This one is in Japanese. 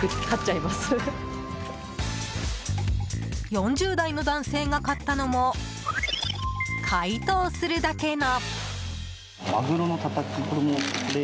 ４０代の男性が買ったのも解凍するだけの。